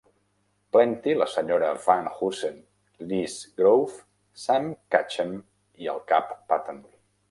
Plenty, la Sra. Van Hoosen, Lizz Grove, Sam Catchem i el Cap Patton.